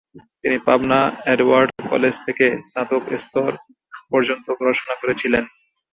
তিনি Pabna Edward college থেকে স্নাতক স্তর পর্যন্ত পড়াশোনা করেছিলেন।